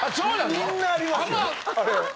みんなありますよ